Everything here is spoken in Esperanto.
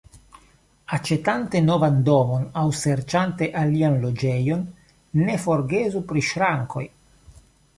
Aĉetante novan domon aŭ serĉante alian loĝejon, ne forgesu pri ŝrankoj.